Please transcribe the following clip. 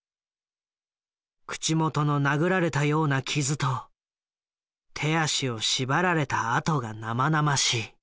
口元の殴られたような傷と手足を縛られた痕が生々しい。